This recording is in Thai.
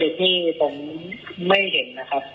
ที่ผมไม่เห็นนะครับ